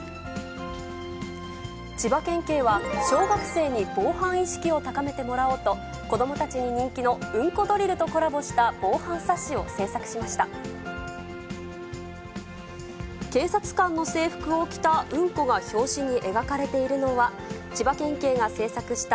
千葉県警は、小学生に防犯意識を高めてもらおうと、子どもたちに人気のうんこドリルとコラボした防犯冊子を製作しました。